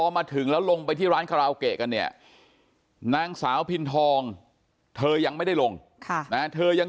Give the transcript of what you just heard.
มาถึงแล้วลงไปที่ร้านคาราโอเกะกันเนี่ยนางสาวพินทองเธอยังไม่ได้ลงเธอยัง